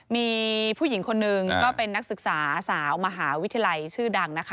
มีผู้หญิงคนหนึ่งก็เป็นนักศึกษาสาวมหาวิทยาลัยชื่อดังนะคะ